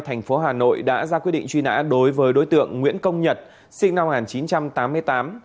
thành phố hà nội đã ra quyết định truy nã đối với đối tượng nguyễn công nhật sinh năm một nghìn chín trăm tám mươi tám